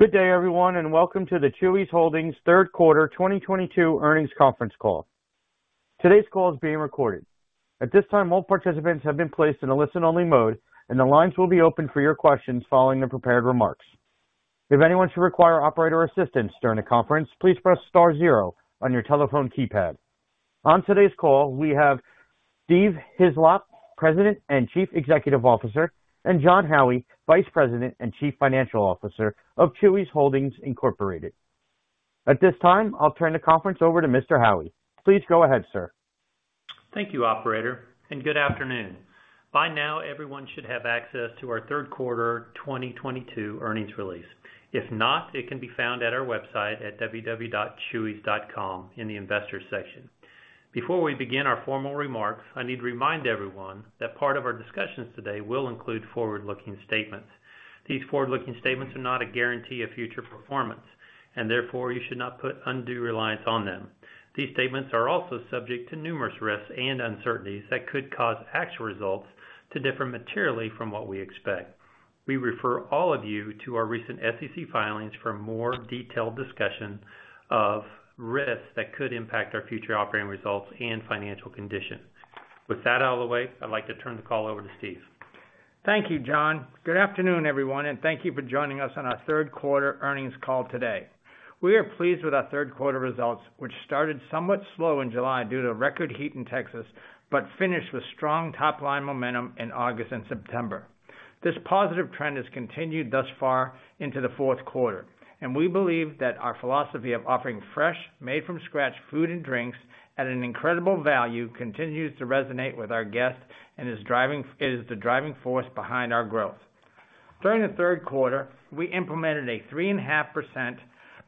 Good day, everyone, and welcome to the Chuy's Holdings. Third Quarter 2022 Earnings Conference Call. Today's call is being recorded. At this time, all participants have been placed in a listen-only mode, and the lines will be open for your questions following the prepared remarks. If anyone should require operator assistance during the conference, please press star zero on your telephone keypad. On today's call, we have Steve Hislop, President and Chief Executive Officer, and Jon Howie, Vice President and Chief Financial Officer of Chuy's Holdings, Inc. At this time, I'll turn the conference over to Mr. Howie. Please go ahead, sir. Thank you, operator, and good afternoon. By now, everyone should have access to our third quarter 2022 earnings release. If not, it can be found at our website at www.chuys.com in the Investors section. Before we begin our formal remarks, I need to remind everyone that part of our discussions today will include forward-looking statements. These forward-looking statements are not a guarantee of future performance and therefore you should not put undue reliance on them. These statements are also subject to numerous risks and uncertainties that could cause actual results to differ materially from what we expect. We refer all of you to our recent SEC filings for a more detailed discussion of risks that could impact our future operating results and financial conditions. With that out of the way, I'd like to turn the call over to Steve. Thank you, Jon. Good afternoon, everyone, and thank you for joining us on our third quarter earnings call today. We are pleased with our third quarter results, which started somewhat slow in July due to record heat in Texas, but finished with strong top-line momentum in August and September. This positive trend has continued thus far into the fourth quarter, and we believe that our philosophy of offering fresh, made from scratch food and drinks at an incredible value continues to resonate with our guests and is the driving force behind our growth. During the third quarter, we implemented a 3.5%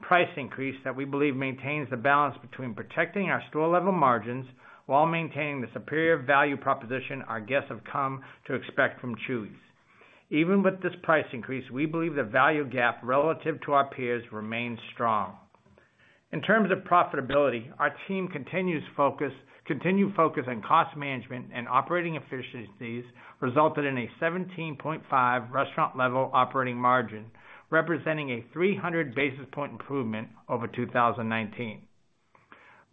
price increase that we believe maintains the balance between protecting our store level margins while maintaining the superior value proposition our guests have come to expect from Chuy's. Even with this price increase, we believe the value gap relative to our peers remains strong. In terms of profitability, our team continued focus on cost management and operating efficiencies resulted in a 17.5 restaurant level operating margin, representing a 300 basis points improvement over 2019.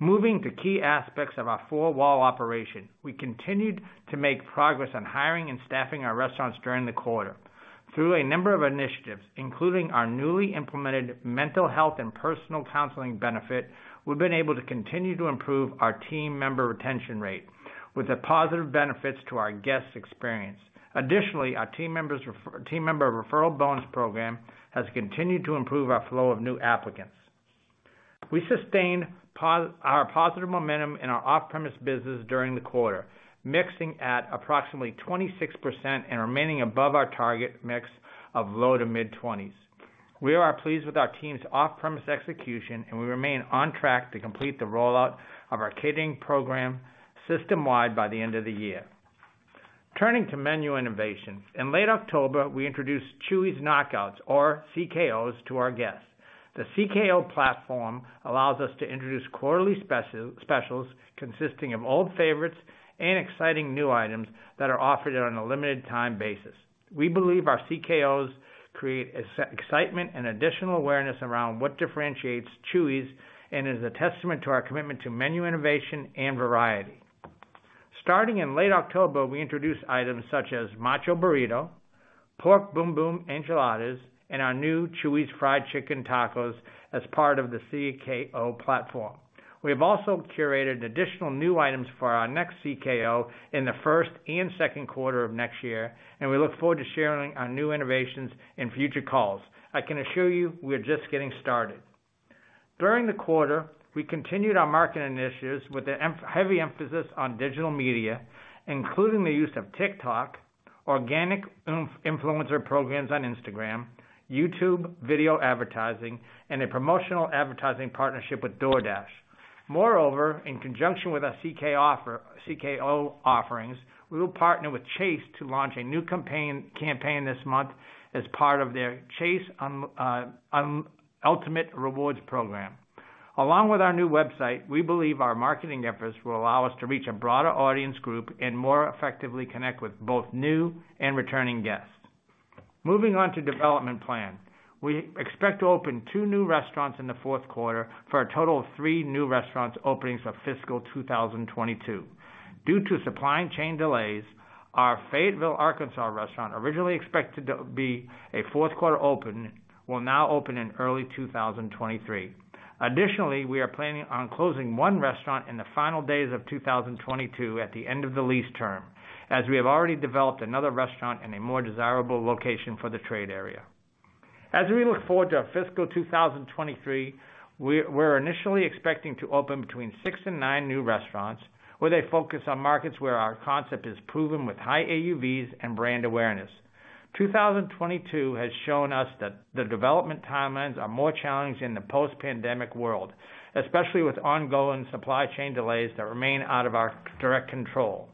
Moving to key aspects of our four-wall operation. We continued to make progress on hiring and staffing our restaurants during the quarter. Through a number of initiatives, including our newly implemented mental health and personal counseling benefit, we've been able to continue to improve our team member retention rate with the positive benefits to our guests experience. Additionally, our team member referral bonus program has continued to improve our flow of new applicants. We sustained our positive momentum in our off-premise business during the quarter, mixing at approximately 26% and remaining above our target mix of low- to mid-20s. We are pleased with our team's off-premise execution, and we remain on track to complete the rollout of our catering program system-wide by the end of the year. Turning to menu innovation. In late October, we introduced Chuy's Knockouts, or CKO, to our guests. The CKO platform allows us to introduce quarterly specials consisting of old favorites and exciting new items that are offered on a limited time basis. We believe our CKO create excitement and additional awareness around what differentiates Chuy's and is a testament to our commitment to menu innovation and variety. Starting in late October, we introduced items such as Macho Burrito, Pork Boom-Boom Enchiladas, and our new Chuy's Fried Chicken Tacos as part of the CKO platform. We have also curated additional new items for our next CKO in the first and second quarter of next year, and we look forward to sharing our new innovations in future calls. I can assure you we're just getting started. During the quarter, we continued our marketing initiatives with the heavy emphasis on digital media, including the use of TikTok, organic influencer programs on Instagram, YouTube video advertising, and a promotional advertising partnership with DoorDash. Moreover, in conjunction with our CKO offerings, we will partner with Chase to launch a new campaign this month as part of their Chase Ultimate Rewards program. Along with our new website, we believe our marketing efforts will allow us to reach a broader audience group and more effectively connect with both new and returning guests. Moving on to development plan. We expect to open two new restaurants in the fourth quarter for a total of three new restaurants openings for fiscal 2022. Due to supply chain delays, our Fayetteville, Arkansas restaurant, originally expected to be a fourth-quarter open, will now open in early 2023. Additionally, we are planning on closing one restaurant in the final days of 2022 at the end of the lease term, as we have already developed another restaurant in a more desirable location for the trade area. As we look forward to our fiscal 2023, we're initially expecting to open between six and nine new restaurants with a focus on markets where our concept is proven with high AUVs and brand awareness. 2022 has shown us that the development timelines are more challenging in the post-pandemic world, especially with ongoing supply chain delays that remain out of our direct control.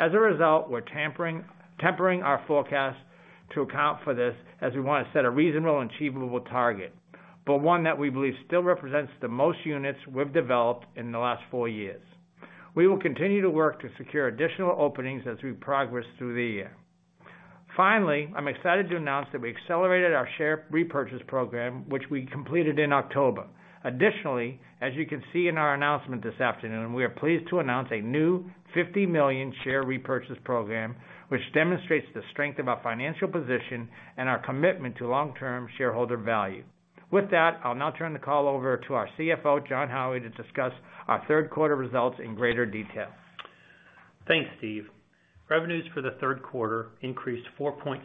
As a result, we're tempering our forecast to account for this as we want to set a reasonable and achievable target, but one that we believe still represents the most units we've developed in the last four years. We will continue to work to secure additional openings as we progress through the year. Finally, I'm excited to announce that we accelerated our share repurchase program, which we completed in October. Additionally, as you can see in our announcement this afternoon, we are pleased to announce a new $50 million share repurchase program, which demonstrates the strength of our financial position and our commitment to long-term shareholder value. With that, I'll now turn the call over to our CFO, Jon Howie, to discuss our third quarter results in greater detail. Thanks, Steve. Revenues for the third quarter increased 4.7%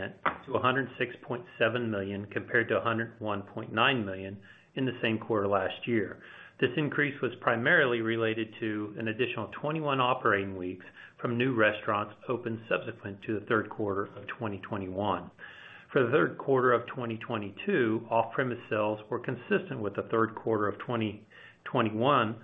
to $106.7 million, compared to $101.9 million in the same quarter last year. This increase was primarily related to an additional 21 operating weeks from new restaurants opened subsequent to the third quarter of 2021. For the third quarter of 2022, off-premise sales were consistent with the third quarter of 2021,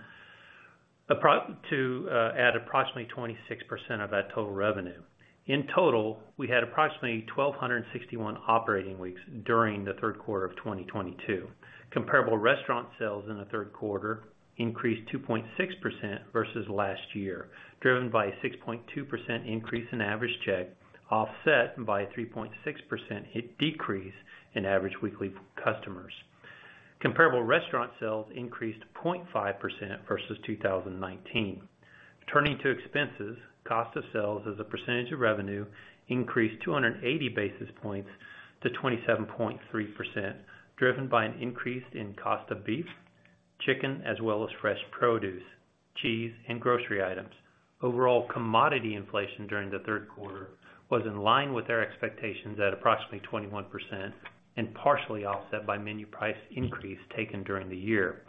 at approximately 26% of that total revenue. In total, we had approximately 1,261 operating weeks during the third quarter of 2022. Comparable restaurant sales in the third quarter increased 2.6% versus last year, driven by a 6.2% increase in average check, offset by a 3.6% decrease in average weekly customers. Comparable restaurant sales increased 0.5% versus 2019. Turning to expenses, cost of sales as a percentage of revenue increased 280 basis points to 27.3%, driven by an increase in cost of beef, chicken, as well as fresh produce, cheese, and grocery items. Overall commodity inflation during the third quarter was in line with our expectations at approximately 21% and partially offset by menu price increase taken during the year.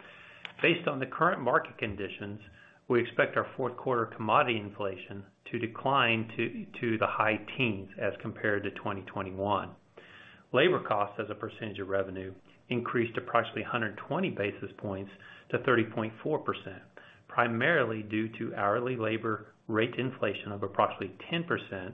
Based on the current market conditions, we expect our fourth quarter commodity inflation to decline to the high teens as compared to 2021. Labor costs as a percentage of revenue increased approximately 120 basis points to 30.4%, primarily due to hourly labor rate inflation of approximately 10%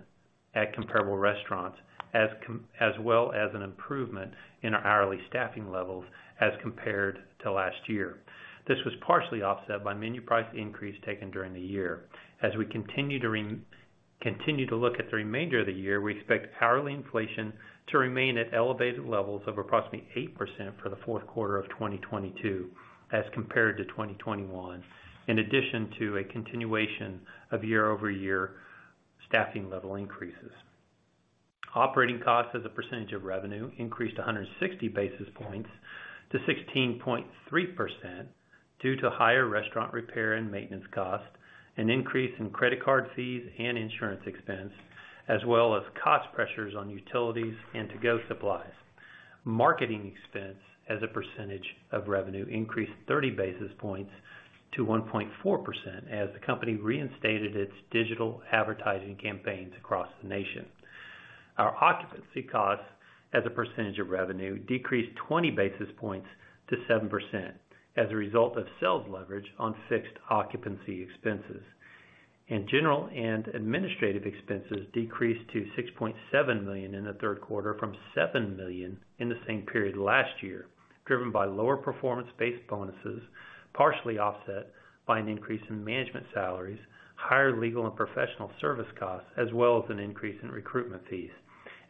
at comparable restaurants, as well as an improvement in our hourly staffing levels as compared to last year. This was partially offset by menu price increase taken during the year. As we continue to look at the remainder of the year, we expect hourly inflation to remain at elevated levels of approximately 8% for the fourth quarter of 2022 as compared to 2021, in addition to a continuation of year over year staffing level increases. Operating costs as a percentage of revenue increased 160 basis points to 16.3% due to higher restaurant repair and maintenance costs, an increase in credit card fees and insurance expense, as well as cost pressures on utilities and to-go supplies. Marketing expense as a percentage of revenue increased 30 basis points to 1.4% as the company reinstated its digital advertising campaigns across the nation. Our occupancy costs as a percentage of revenue decreased 20 basis points to 7% as a result of sales leverage on fixed occupancy expenses. General and administrative expenses decreased to $6.7 million in the third quarter from $7 million in the same period last year, driven by lower performance-based bonuses, partially offset by an increase in management salaries, higher legal and professional service costs, as well as an increase in recruitment fees.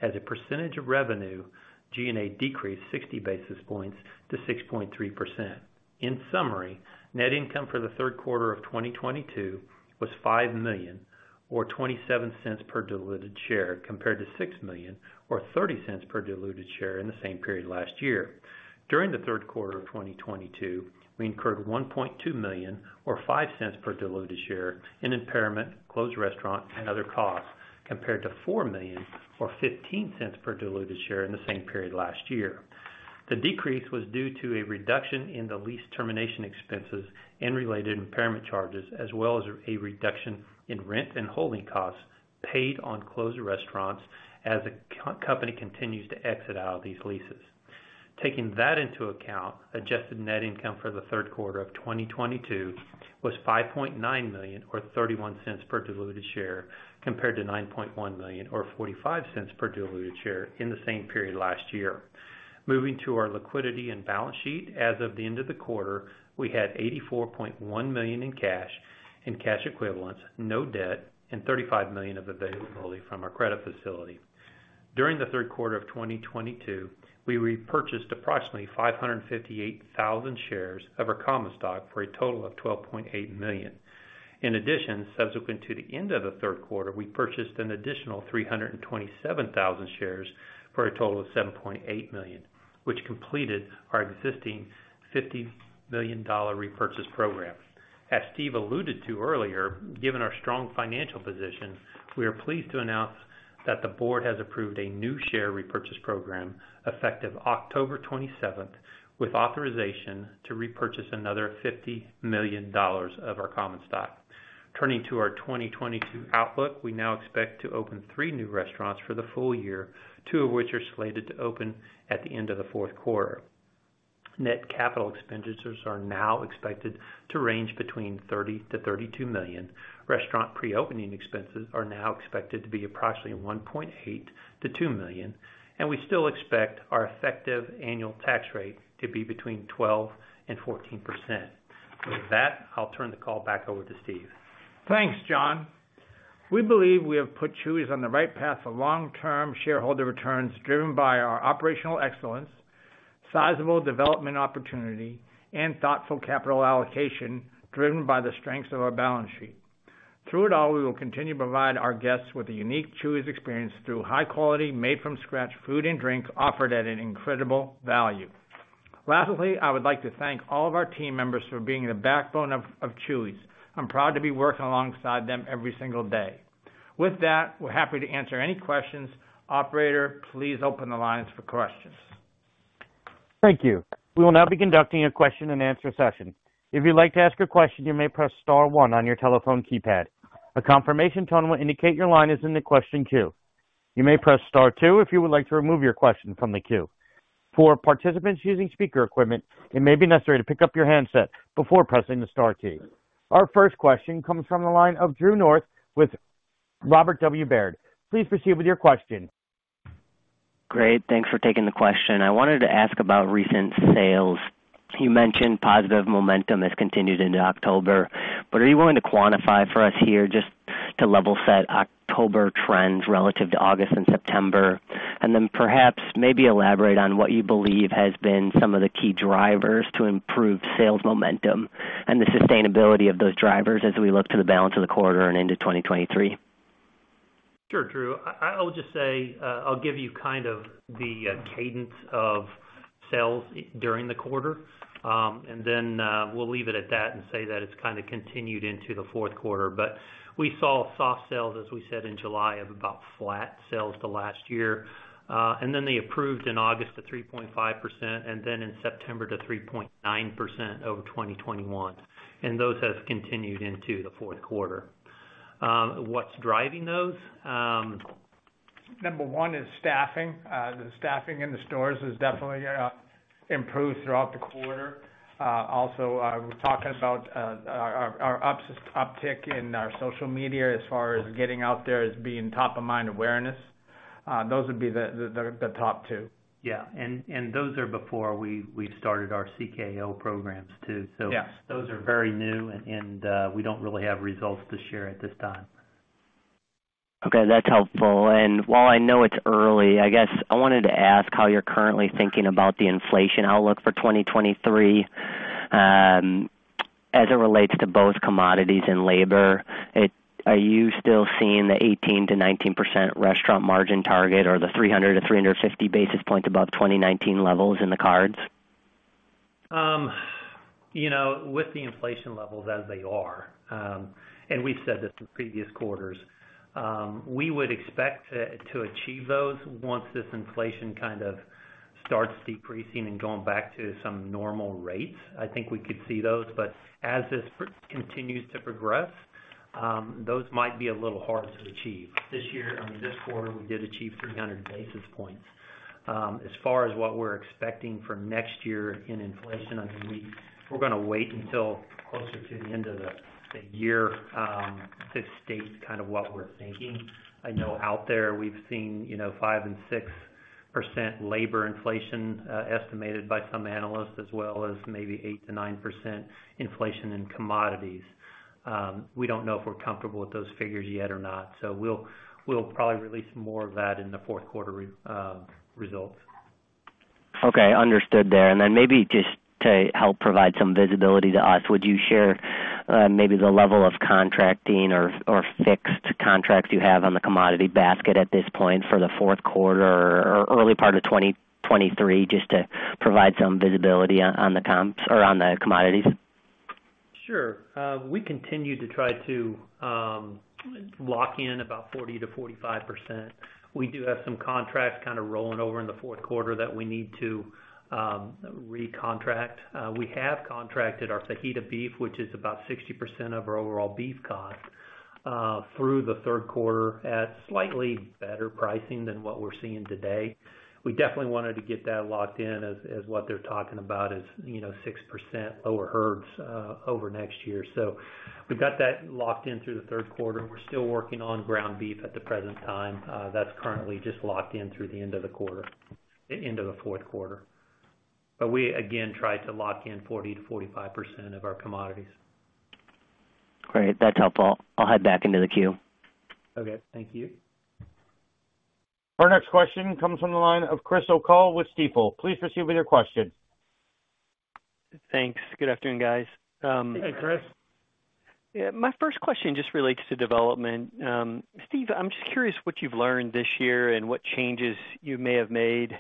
As a percentage of revenue, G&A decreased 60 basis points to 6.3%. In summary, net income for the third quarter of 2022 was $5 million or $0.27 per diluted share, compared to $6 million or $0.30 per diluted share in the same period last year. During the third quarter of 2022, we incurred $1.2 million or $0.05 per diluted share in impairment, closed restaurant, and other costs, compared to $4 million or $0.15 per diluted share in the same period last year. The decrease was due to a reduction in the lease termination expenses and related impairment charges, as well as a reduction in rent and holding costs paid on closed restaurants as the company continues to exit out these leases. Taking that into account, adjusted net income for the third quarter of 2022 was $5.9 million or $0.31 per diluted share, compared to $9.1 million or $0.45 per diluted share in the same period last year. Moving to our liquidity and balance sheet, as of the end of the quarter, we had $84.1 million in cash and cash equivalents, no debt, and $35 million of availability from our credit facility. During the third quarter of 2022, we repurchased approximately 558,000 shares of our common stock for a total of $12.8 million. In addition, subsequent to the end of the third quarter, we purchased an additional 327,000 shares for a total of $7.8 million, which completed our existing $50 million repurchase program. As Steve alluded to earlier, given our strong financial position, we are pleased to announce that the board has approved a new share repurchase program effective October 27th, with authorization to repurchase another $50 million of our common stock. Turning to our 2022 outlook, we now expect to open three new restaurants for the full year, two of which are slated to open at the end of the fourth quarter. Net capital expenditures are now expected to range between $30 million-$32 million. Restaurant pre-opening expenses are now expected to be approximately $1.8 million-$2 million. We still expect our effective annual tax rate to be between 12% and 14%. With that, I'll turn the call back over to Steve. Thanks, Jon. We believe we have put Chuy's on the right path for long-term shareholder returns driven by our operational excellence, sizable development opportunity, and thoughtful capital allocation driven by the strengths of our balance sheet. Through it all, we will continue to provide our guests with a unique Chuy's experience through high quality made from scratch food and drinks offered at an incredible value. Lastly, I would like to thank all of our team members for being the backbone of Chuy's. I'm proud to be working alongside them every single day. With that, we're happy to answer any questions. Operator, please open the lines for questions. Thank you. We will now be conducting a question and answer session. If you'd like to ask a question, you may press star one on your telephone keypad. A confirmation tone will indicate your line is in the question queue. You may press star two if you would like to remove your question from the queue. For participants using speaker equipment, it may be necessary to pick up your handset before pressing the star key. Our first question comes from the line of Drew North with Robert W. Baird. Please proceed with your question. Great. Thanks for taking the question. I wanted to ask about recent sales. You mentioned positive momentum has continued into October, but are you willing to quantify for us here just to level set October trends relative to August and September? Perhaps maybe elaborate on what you believe has been some of the key drivers to improve sales momentum and the sustainability of those drivers as we look to the balance of the quarter and into 2023. Sure, Drew. I will just say I'll give you kind of the cadence of sales during the quarter, and then we'll leave it at that and say that it's kind of continued into the fourth quarter. We saw soft sales, as we said in July, of about flat sales to last year. Then they approved in August to 3.5% and then in September to 3.9% over 2021. Those have continued into the fourth quarter. What's driving those? Number one is staffing. The staffing in the stores has definitely improved throughout the quarter. Also, we're talking about our uptick in our social media as far as getting out there as being top of mind awareness. Those would be the top two. Those are before we started our CKO programs too. Yes. Those are very new and we don't really have results to share at this time. Okay. That's helpful. While I know it's early, I guess I wanted to ask how you're currently thinking about the inflation outlook for 2023 as it relates to both commodities and labor. Are you still seeing the 18%-19% restaurant margin target or the 300-350 basis points above 2019 levels in the cards? You know, with the inflation levels as they are, and we've said this in previous quarters, we would expect to achieve those once this inflation kind of starts decreasing and going back to some normal rates. I think we could see those. As this continues to progress, those might be a little hard to achieve. This year, I mean, this quarter, we did achieve 300 basis points. As far as what we're expecting for next year in inflation, I mean, we're gonna wait until closer to the end of the year to state kind of what we're thinking. I know out there we've seen, you know, 5% and 6% labor inflation estimated by some analysts, as well as maybe 8%-9% inflation in commodities. We don't know if we're comfortable with those figures yet or not. We'll probably release more of that in the fourth quarter results. Okay. Understood then. Maybe just to help provide some visibility to us, would you share, maybe the level of contracting or fixed contracts you have on the commodity basket at this point for the fourth quarter or early part of 2023, just to provide some visibility on the comps or on the commodities? Sure. We continue to try to lock in about 40%-45%. We do have some contracts kind of rolling over in the fourth quarter that we need to recontract. We have contracted our fajita beef, which is about 60% of our overall beef cost, through the third quarter at slightly better pricing than what we're seeing today. We definitely wanted to get that locked in as what they're talking about is, you know, 6% lower herds over next year. We've got that locked in through the third quarter. We're still working on ground beef at the present time. That's currently just locked in through the end of the quarter, end of the fourth quarter. We, again, try to lock in 40%-45% of our commodities. Great. That's helpful. I'll head back into the queue. Okay. Thank you. Our next question comes from the line of Chris O'Cull with Stifel. Please proceed with your question. Thanks. Good afternoon, guys. Hey, Chris. Yeah, my first question just relates to development. Steve, I'm just curious what you've learned this year and what changes you may have made,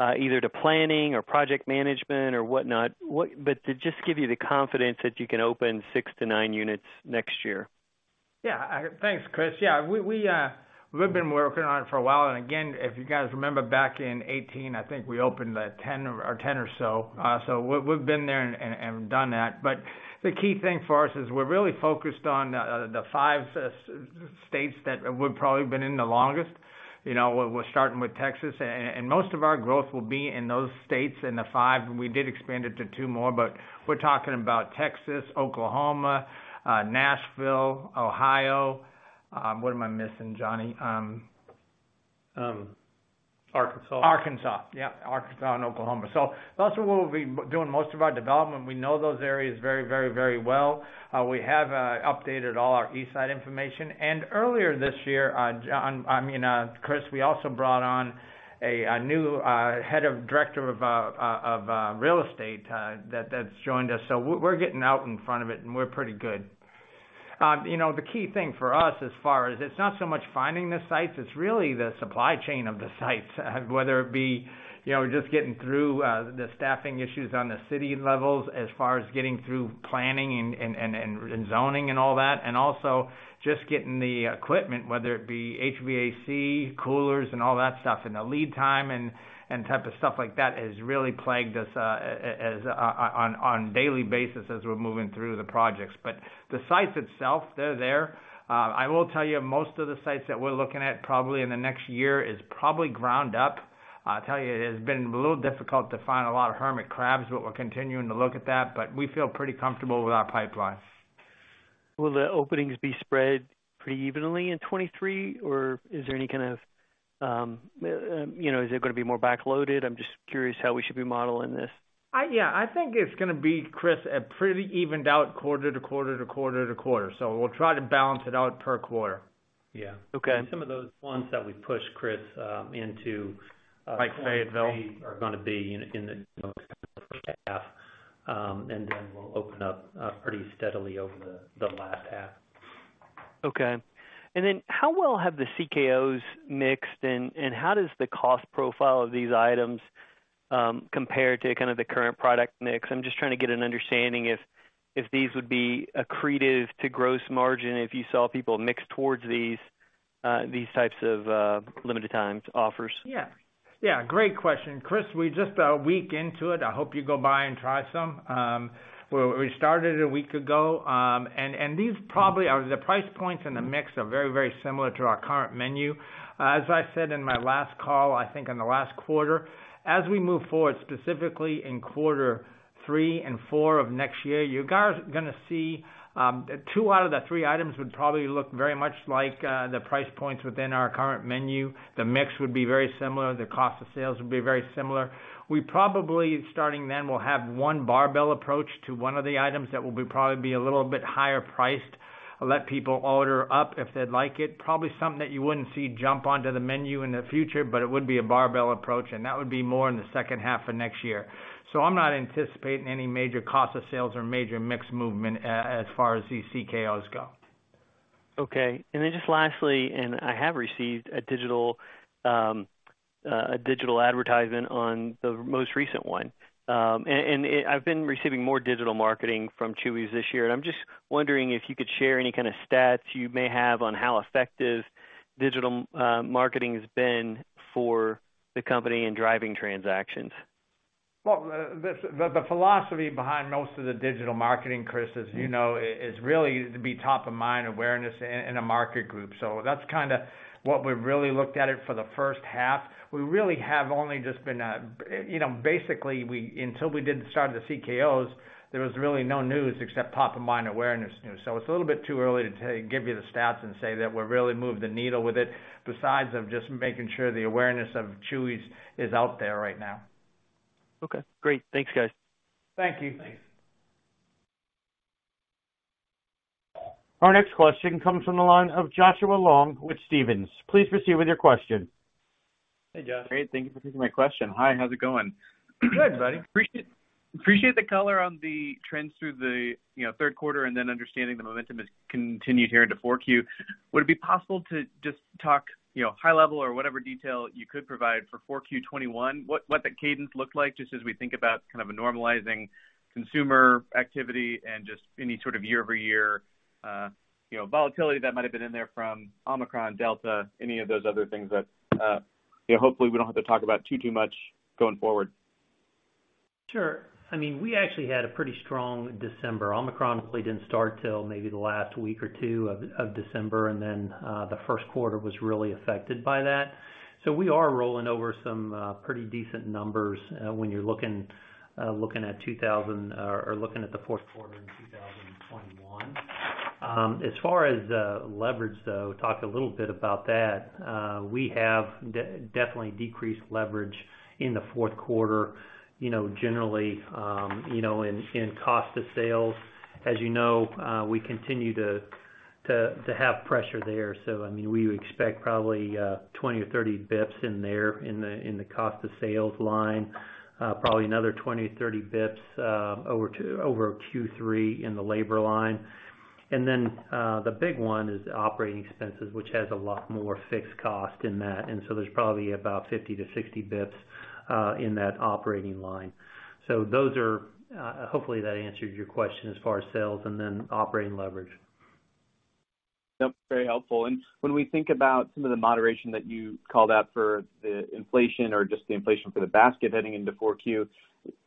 either to planning or project management or whatnot. To just give you the confidence that you can open six to nine units next year. Yeah. Thanks, Chris. Yeah, we've been working on it for a while. Again, if you guys remember back in 2018, I think we opened 10 or so. So we've been there and have done that. The key thing for us is we're really focused on the five states that we've probably been in the longest. You know, we're starting with Texas. Most of our growth will be in those states in the five. We did expand it to two more, but we're talking about Texas, Oklahoma, Nashville, Ohio. What am I missing, Jon? Arkansas. Arkansas. Yeah, Arkansas and Oklahoma. That's where we'll be doing most of our development. We know those areas very, very, very well. We have updated all our site selection information. Earlier this year, Chris, we also brought on a new director of real estate that has joined us. We're getting out in front of it and we're pretty good. You know, the key thing for us as far as it's not so much finding the sites, it's really the supply chain of the sites whether it be just getting through the staffing issues on the city levels as far as getting through planning and zoning and all that. Also just getting the equipment, whether it be HVAC, coolers and all that stuff. The lead time and type of stuff like that has really plagued us on a daily basis as we're moving through the projects. The sites itself, they're there. I will tell you, most of the sites that we're looking at probably in the next year is probably ground up. I'll tell you, it has been a little difficult to find a lot of hermit crabs, but we're continuing to look at that. We feel pretty comfortable with our pipeline. Will the openings be spread pretty evenly in 2023 or is there any kind of, you know, is it gonna be more backloaded? I'm just curious how we should be modeling this. Yeah, I think it's gonna be, Chris, a pretty evened out quarter to quarter to quarter to quarter. We'll try to balance it out per quarter. Yeah. Okay. Some of those ones that we pushed, Chris, into Like Fayetteville. ...are gonna be in the first half, and then we'll open up pretty steadily over the last half. Okay. Then how well have the Knockouts mixed and how does the cost profile of these items compare to kind of the current product mix? I'm just trying to get an understanding if these would be accretive to gross margin if you saw people mix towards these types of limited time offers. Great question. Chris, we're just a week into it. I hope you go by and try some. We started a week ago. These probably are the price points and the mix are very, very similar to our current menu. As I said in my last call, I think in the last quarter, as we move forward, specifically in quarter three and four of next year, you guys are gonna see two out of the three items would probably look very much like the price points within our current menu. The mix would be very similar. The cost of sales would be very similar. We probably, starting then, will have one barbell approach to one of the items that will probably be a little bit higher priced. Let people order up if they'd like it. Probably something that you wouldn't see jump onto the menu in the future, but it would be a barbell approach, and that would be more in the second half of next year. I'm not anticipating any major cost of sales or major mix movement as far as these CKOs go. Okay. Just lastly, I have received a digital advertisement on the most recent one. I've been receiving more digital marketing from Chuy's this year. I'm just wondering if you could share any kind of stats you may have on how effective digital marketing has been for the company in driving transactions? The philosophy behind most of the digital marketing, Chris, as you know, is really to be top of mind awareness in a market group. That's kind of what we've really looked at it for the first half. We really have only just been, you know, basically, until we did the start of the Knockouts, there was really no news except top of mind awareness. It's a little bit too early to give you the stats and say that we're really moved the needle with it besides of just making sure the awareness of Chuy's is out there right now. Okay, great. Thanks, guys. Thank you. Thanks. Our next question comes from the line of Joshua Long with Stephens. Please proceed with your question. Hey, Josh. Great. Thank you for taking my question. Hi, how's it going? Good, buddy. Appreciate the color on the trends through the, you know, third quarter and then understanding the momentum has continued here into 4Q. Would it be possible to just talk, you know, high level or whatever detail you could provide for 4Q 2021, what the cadence looked like, just as we think about kind of a normalizing consumer activity and just any sort of year-over-year, you know, volatility that might have been in there from Omicron, Delta, any of those other things that, you know, hopefully we don't have to talk about too much going forward. Sure. I mean, we actually had a pretty strong December. Omicron really didn't start till maybe the last week or two of December. The first quarter was really affected by that. We are rolling over some pretty decent numbers when you're looking at the fourth quarter in 2021. As far as leverage, though, talk a little bit about that. We have definitely decreased leverage in the fourth quarter. You know, generally, you know, in cost of sales, as you know, we continue to have pressure there. I mean, we expect probably 20-30 BPS in there in the cost of sales line, probably another 20-30 BPS over Q3 in the labor line. The big one is operating expenses, which has a lot more fixed cost in that. There's probably about 50-60 basis points in that operating line. Those are, hopefully, that answers your question as far as sales and then operating leverage. Yep, very helpful. When we think about some of the moderation that you called out for the inflation or just the inflation for the basket heading into 4Q,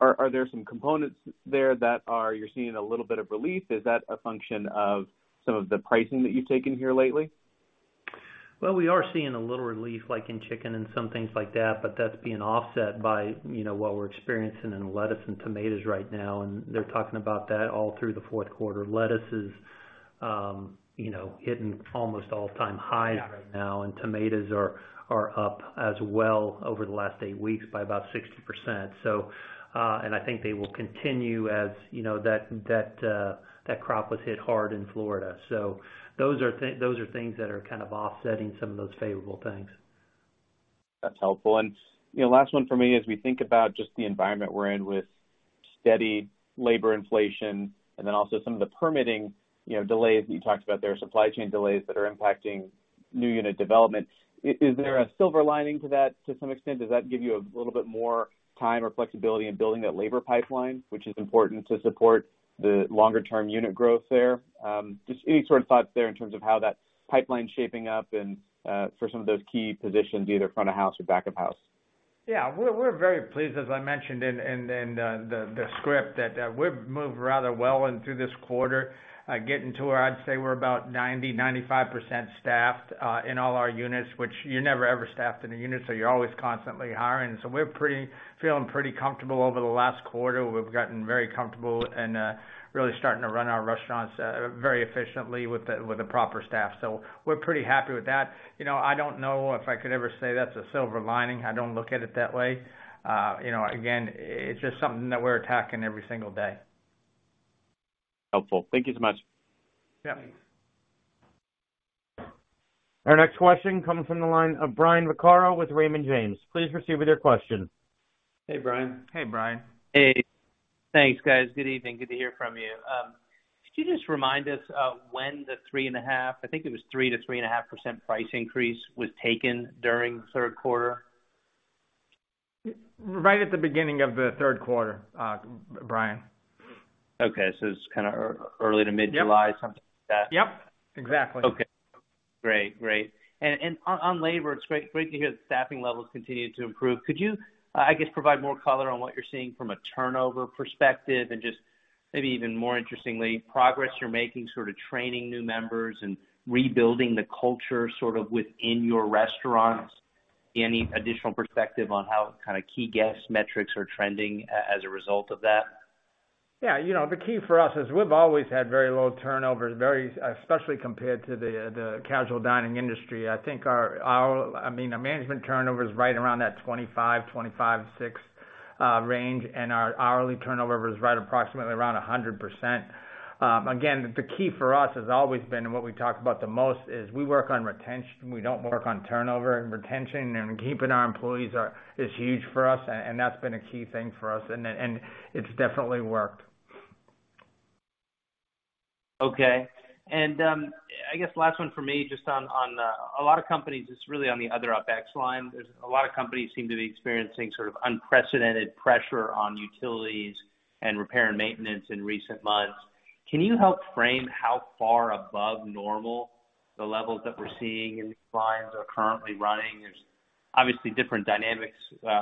are there some components there that you're seeing a little bit of relief? Is that a function of some of the pricing that you've taken here lately? Well, we are seeing a little relief like in chicken and some things like that, but that's being offset by, you know, what we're experiencing in lettuce and tomatoes right now, and they're talking about that all through the fourth quarter. Lettuce is, you know, hitting almost all-time high right now, and tomatoes are up as well over the last eight weeks by about 60%. I think they will continue, as, you know, that crop was hit hard in Florida. Those are things that are kind of offsetting some of those favorable things. That's helpful. You know, last one for me, as we think about just the environment we're in with steady labor inflation and then also some of the permitting, you know, delays that you talked about there, supply chain delays that are impacting new unit development. Is there a silver lining to that to some extent? Does that give you a little bit more time or flexibility in building that labor pipeline, which is important to support the longer-term unit growth there? Just any sort of thoughts there in terms of how that pipeline is shaping up and for some of those key positions, either front of house or back of house. We're very pleased, as I mentioned in the script, that we've moved rather well into this quarter, getting to where I'd say we're about 95% staffed in all our units. Which, you're never ever staffed in a unit, so you're always constantly hiring. We're feeling pretty comfortable over the last quarter. We've gotten very comfortable and really starting to run our restaurants very efficiently with the proper staff. We're pretty happy with that. You know, I don't know if I could ever say that's a silver lining. I don't look at it that way. You know, again, it's just something that we're attacking every single day. Helpful. Thank you so much. Yeah. Thanks. Our next question comes from the line of Brian Vaccaro with Raymond James. Please proceed with your question. Hey, Brian. Hey, Brian. Hey. Thanks, guys. Good evening. Good to hear from you. Could you just remind us of when the 3.5%, I think it was 3%-3.5% price increase was taken during the third quarter? Right at the beginning of the third quarter, Brian. Okay. It's kind of early to mid-July. Yep. Something like that. Yep, exactly. Okay. Great. On labor, it's great to hear that staffing levels continue to improve. Could you, I guess, provide more color on what you're seeing from a turnover perspective and just maybe even more interestingly, progress you're making sort of training new members and rebuilding the culture sort of within your restaurants? Any additional perspective on how kind of key guest metrics are trending as a result of that? Yeah. You know, the key for us is we've always had very low turnover, especially compared to the casual dining industry. I think, I mean, our management turnover is right around that 25-26 range, and our hourly turnover is right approximately around 100%. Again, the key for us has always been, and what we talk about the most is we work on retention. We don't work on turnover and retention, and keeping our employees is huge for us, and that's been a key thing for us. It's definitely worked. Okay. I guess last one for me, just on a lot of companies, it's really on the other OpEx line. There's a lot of companies seem to be experiencing sort of unprecedented pressure on utilities and repair and maintenance in recent months. Can you help frame how far above normal the levels that we're seeing in these lines are currently running? There's obviously different dynamics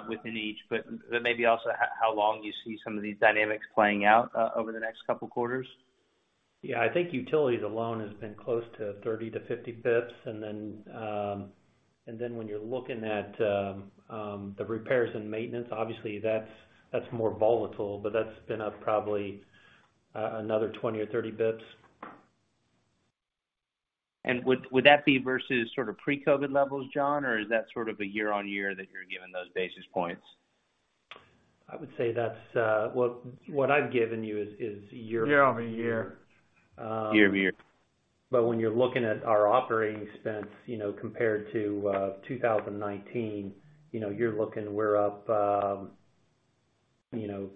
within each, but maybe also how long you see some of these dynamics playing out over the next couple quarters. Yeah. I think utilities alone has been close to 30-50 basis points. When you're looking at the repairs and maintenance, obviously that's more volatile, but that's been up probably another 20 or 30 basis points. Would that be versus sort of pre-COVID levels, Jon, or is that sort of a year-on-year that you're giving those basis points? I would say that's. Well, what I've given you is year-over-year. Year-over-year. Year-over-year. when you're looking at our operating expense, you know, compared to 2019, you know, you're looking, we're up, you know,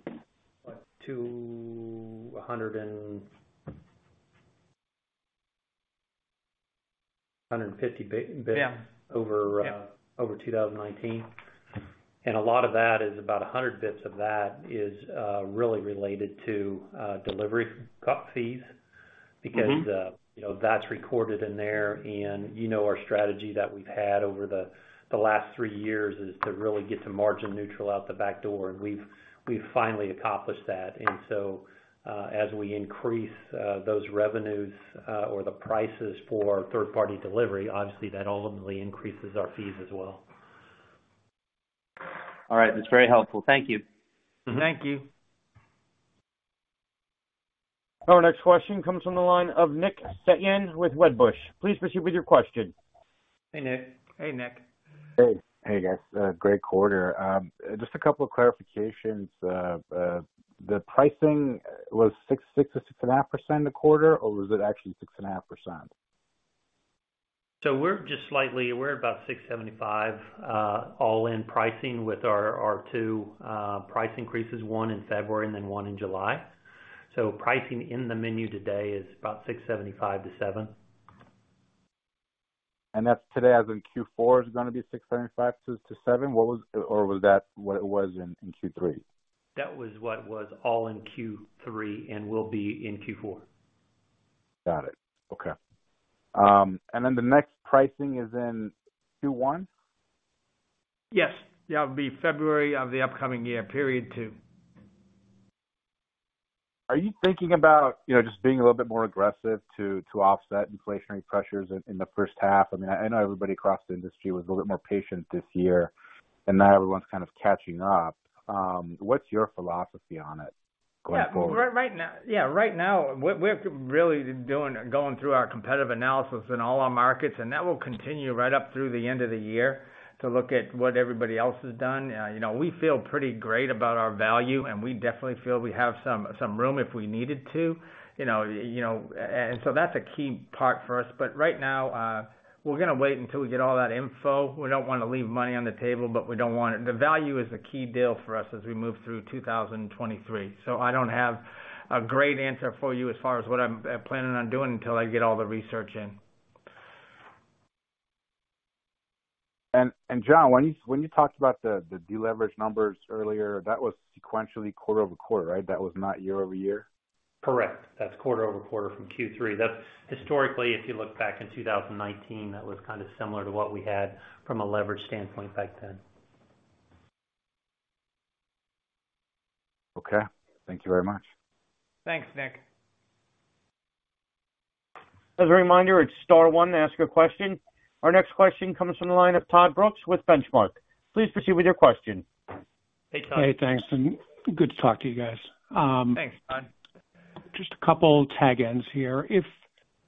what, 250 basis points. Yeah over 2019. A lot of that is about 100 basis points really related to delivery fees. Mm-hmm. Because, you know, that's recorded in there. You know our strategy that we've had over the last three years is to really get to margin neutral out the back door, and we've finally accomplished that. As we increase those revenues or the prices for third-party delivery, obviously that ultimately increases our fees as well. All right. That's very helpful. Thank you. Mm-hmm. Thank you. Our next question comes from the line of Nick Setyan with Wedbush. Please proceed with your question. Hey, Nick. Hey, Nick. Hey. Hey, guys. Great quarter. Just a couple of clarifications. The pricing was six or 6.5% a quarter, or was it actually 6.5%? We're about 6.75% all in pricing with our two price increases, one in February and then one in July. Pricing in the menu today is about 6.75%-7%. That's today, as in Q4 is gonna be 675-7? Or was that what it was in Q3? That was what was all in Q3 and will be in Q4. Got it. Okay. The next pricing is in Q1? Yes. Yeah, it'll be February of the upcoming year, period two. Are you thinking about, you know, just being a little bit more aggressive to offset inflationary pressures in the first half? I mean, I know everybody across the industry was a little bit more patient this year, and now everyone's kind of catching up. What's your philosophy on it? Right now we're really going through our competitive analysis in all our markets, and that will continue right up through the end of the year to look at what everybody else has done. You know, we feel pretty great about our value, and we definitely feel we have some room if we needed to, you know. That's a key part for us. Right now, we're gonna wait until we get all that info. We don't wanna leave money on the table, but we don't want it. The value is the key deal for us as we move through 2023. I don't have a great answer for you as far as what I'm planning on doing until I get all the research in. Jon, when you talked about the deleverage numbers earlier, that was sequentially quarter-over-quarter, right? That was not year-over-year. Correct. That's quarter-over-quarter from Q3. That's historically, if you look back in 2019, that was kind of similar to what we had from a leverage standpoint back then. Okay. Thank you very much. Thanks, Nick. As a reminder, it's star one to ask a question. Our next question comes from the line of Todd Brooks with Benchmark. Please proceed with your question. Hey, Todd. Hey, thanks, and good to talk to you guys. Thanks, Todd. Just a couple tag ends here. If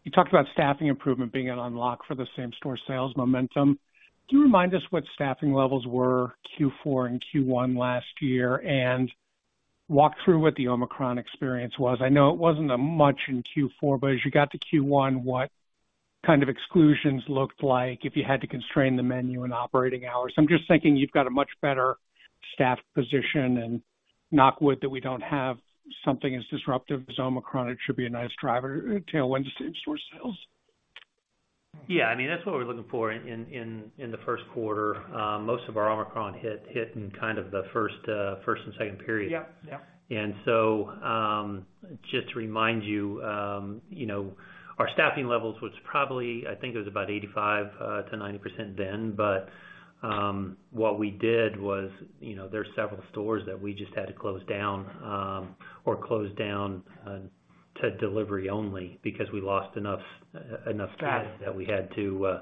you talked about staffing improvement being an unlock for the same-store sales momentum, can you remind us what staffing levels were Q4 and Q1 last year and walk through what the Omicron experience was? I know it wasn't as much in Q4, but as you got to Q1, what kind of exclusions looked like if you had to constrain the menu and operating hours? I'm just thinking you've got a much better staff position and knock wood that we don't have something as disruptive as Omicron. It should be a nice driver, tailwind to same-store sales. Yeah. I mean, that's what we're looking for in the first quarter. Most of our Omicron hit in kind of the first and second period. Yeah. Yep. Just to remind you know, our staffing levels was probably I think it was about 85%-90% then. What we did was, you know, there are several stores that we just had to close down to delivery only because we lost enough staff that we had to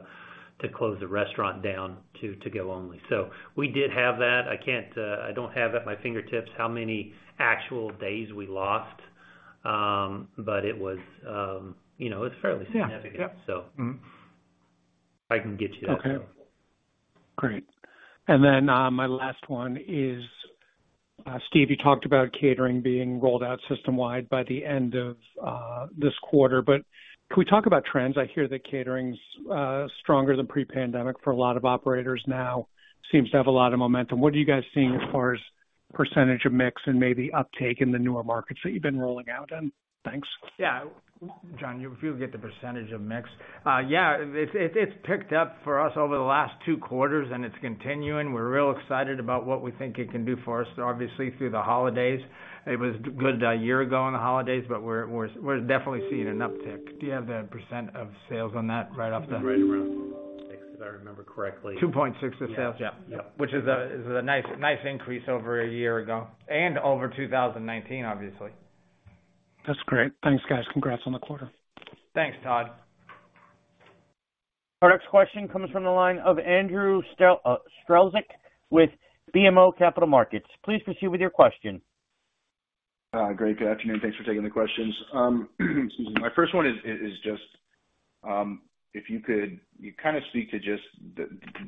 close the restaurant down to go only. We did have that. I don't have at my fingertips how many actual days we lost, but it was, you know, it was fairly significant. Yeah. Yep. I can get you that, though. Okay, great. My last one is, Steve, you talked about catering being rolled out system-wide by the end of this quarter, but can we talk about trends? I hear that catering's stronger than pre-pandemic for a lot of operators now. Seems to have a lot of momentum. What are you guys seeing as far as percentage of mix and maybe uptake in the newer markets that you've been rolling out in? Thanks. Yeah. Jon, you'll get the percentage of mix. Yeah, it's picked up for us over the last two quarters, and it's continuing. We're real excited about what we think it can do for us, obviously, through the holidays. It was good a year ago in the holidays, but we're definitely seeing an uptick. Do you have the percent of sales on that right off the- Right around six, if I remember correctly. 2.6% of sales? Yeah. Yep. Which is a nice increase over a year ago and over 2019, obviously. That's great. Thanks, guys. Congrats on the quarter. Thanks, Todd. Our next question comes from the line of Andrew Strelzik with BMO Capital Markets. Please proceed with your question. Great. Good afternoon. Thanks for taking the questions. Excuse me. My first one is just if you could kind of speak to just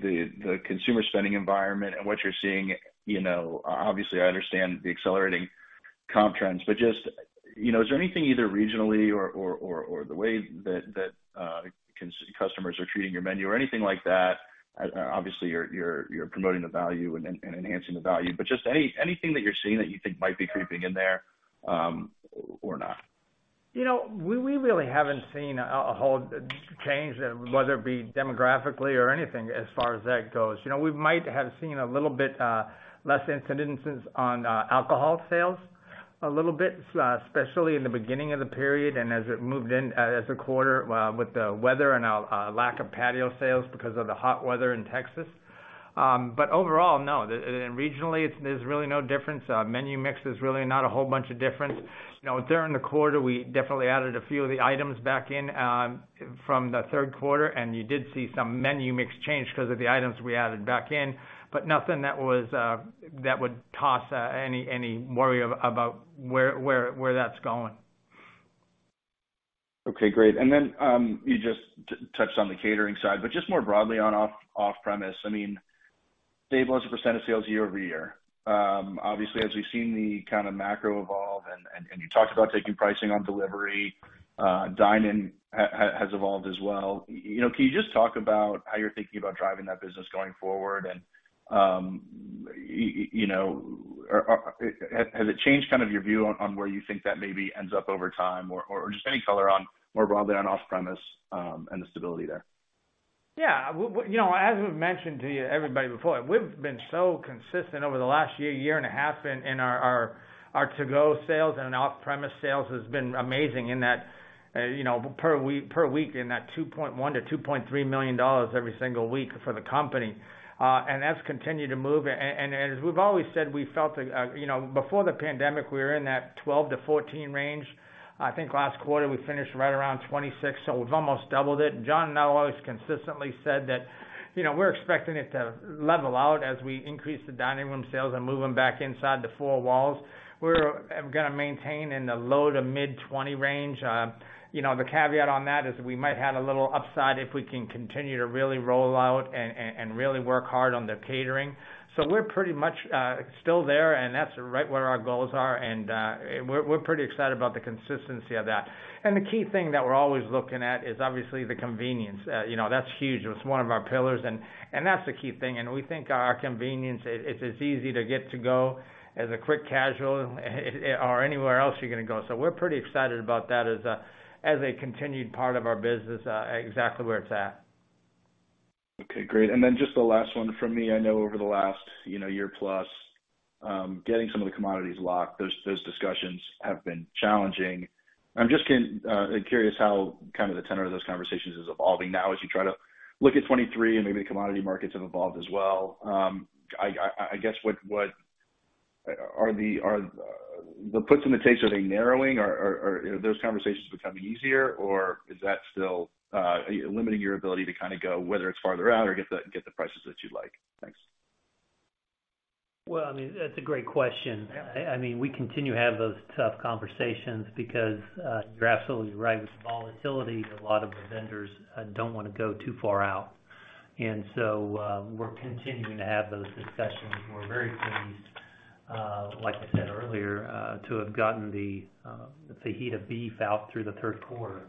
the consumer spending environment and what you're seeing. You know, obviously, I understand the accelerating comp trends, but just, you know, is there anything either regionally or the way that customers are treating your menu or anything like that? Obviously, you're promoting the value and enhancing the value, but just anything that you're seeing that you think might be creeping in there or not? You know, we really haven't seen a whole change, whether it be demographically or anything as far as that goes. You know, we might have seen a little bit less instances on alcohol sales a little bit, especially in the beginning of the period and as it moved into the quarter with the weather and a lack of patio sales because of the hot weather in Texas. Overall, no. Regionally, there's really no difference. Menu mix is really not a whole bunch of difference. You know, during the quarter, we definitely added a few of the items back in from the third quarter, and you did see some menu mix change because of the items we added back in, but nothing that would cause any worry about where that's going. Okay, great. You just touched on the catering side, but just more broadly on off-premise, I mean, stable as a percent of sales year-over-year. Obviously, as we've seen the kind of macro evolve and you talked about taking pricing on delivery, dine-in has evolved as well. You know, can you just talk about how you're thinking about driving that business going forward? You know, has it changed kind of your view on where you think that maybe ends up over time? Just any color on more broadly on off-premise and the stability there. Yeah. You know, as we've mentioned to you, everybody before, we've been so consistent over the last year and a half in our to-go sales and off-premise sales has been amazing in that per week in that $2.1-$2.3 million every single week for the company. And that's continued to move. And as we've always said, we felt you know, before the pandemic, we were in that $12-$14 million range. I think last quarter we finished right around $26 million, so we've almost doubled it. Jon and I have always consistently said that, you know, we're expecting it to level out as we increase the dining room sales and move them back inside the four walls. We're gonna maintain in the low-to-mid $20 million range. You know, the caveat on that is we might have a little upside if we can continue to really roll out and really work hard on the catering. We're pretty much still there, and that's right where our goals are, and we're pretty excited about the consistency of that. The key thing that we're always looking at is obviously the convenience. You know, that's huge. It's one of our pillars and that's the key thing. We think our convenience, it's as easy to get to go as a quick casual or anywhere else you're gonna go. We're pretty excited about that as a continued part of our business, exactly where it's at. Okay, great. Just the last one from me. I know over the last, you know, year plus, getting some of the commodities locked, those discussions have been challenging. I'm just curious how kind of the tenor of those conversations is evolving now as you try to look at 2023 and maybe the commodity markets have evolved as well. I guess what are the puts and the takes, are they narrowing or are those conversations becoming easier or is that still limiting your ability to kind of go whether it's farther out or get the prices that you'd like? Thanks. Well, I mean, that's a great question. I mean, we continue to have those tough conversations because you're absolutely right. With the volatility, a lot of the vendors don't wanna go too far out. We're continuing to have those discussions. We're very pleased, like I said earlier, to have gotten the fajita beef out through the third quarter.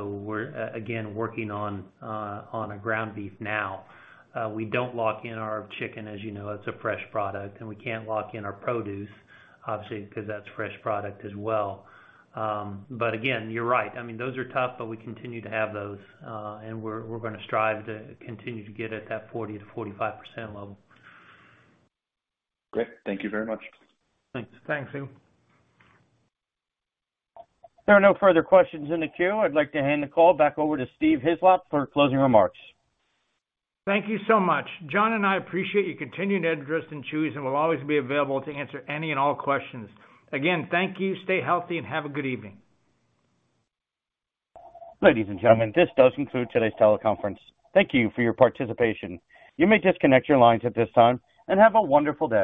We're again working on a ground beef now. We don't lock in our chicken, as you know, it's a fresh product, and we can't lock in our produce, obviously, because that's fresh product as well. Again, you're right. I mean, those are tough, but we continue to have those, and we're gonna strive to continue to get at that 40%-45% level. Great. Thank you very much. Thanks. Thanks, Andrew Strelzik. There are no further questions in the queue. I'd like to hand the call back over to Steve Hislop for closing remarks. Thank you so much. Jon and I appreciate your continued interest in Chuy's, and we'll always be available to answer any and all questions. Again, thank you, stay healthy, and have a good evening. Ladies and gentlemen, this does conclude today's teleconference. Thank you for your participation. You may disconnect your lines at this time, and have a wonderful day.